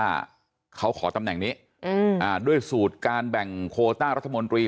ว่าเขาขอตำแหน่งนี้ด้วยสูตรการแบ่งโคต้ารัฐมนตรี